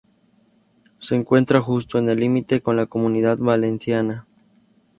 Se encuentra justo en el límite con la comunidad valenciana.